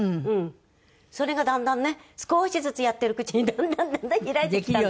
それがだんだんね少しずつやってるうちにだんだんだんだん開いてきたんですね。